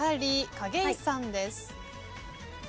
景井さんです。